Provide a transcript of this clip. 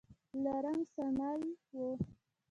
له رنګ سکڼۍ و.